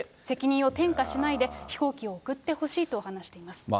責任を転嫁しないで、飛行機を送ってほしいと話しています。